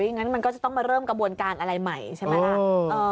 งั้นมันก็จะต้องมาเริ่มกระบวนการอะไรใหม่ใช่ไหมล่ะ